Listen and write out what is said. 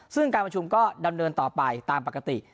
ซึ่งการประชุมก็ดำเนินต่อไปตามปกติ